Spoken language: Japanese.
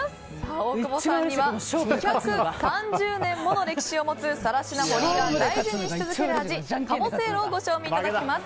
大久保さんには２３０年もの歴史を持つ更科堀井が大事にし続ける味鴨せいろをご賞味いただきます。